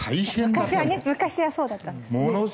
昔はね昔はそうだったんです。